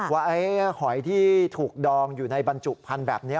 หอยที่ถูกดองอยู่ในบรรจุพันธุ์แบบนี้